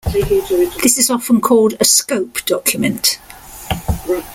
This is often called a scope document.